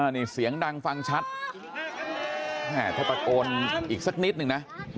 นี่เสียงดังฟังชัดถ้าตะโกนอีกสักนิดนึงนะ